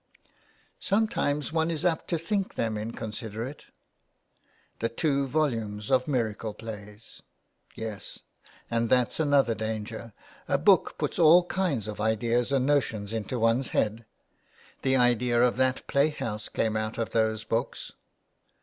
" Sometimes one is apt to think them incon siderate." " The two volumes of miracle plays !" "Yes, and that's another danger, a book puts all kinds of ideas and notions into one's head. The idea of that play house came out of those books."